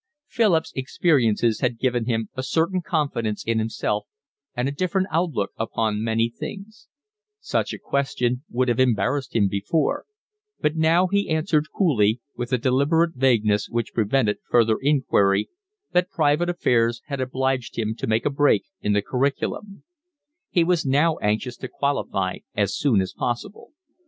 Philip's experiences had given him a certain confidence in himself and a different outlook upon many things: such a question would have embarrassed him before; but now he answered coolly, with a deliberate vagueness which prevented further inquiry, that private affairs had obliged him to make a break in the curriculum; he was now anxious to qualify as soon as possible.